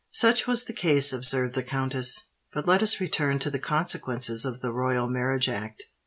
"Such was the case," observed the countess. "But let us return to the consequences of the Royal Marriage Act.